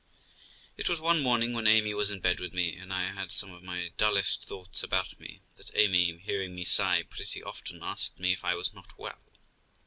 It was one morning, when Amy was in bed with me, and I had some of my dullest thoughts about me, that Amy, hearing me sigh pretty often, asked me if I was not well.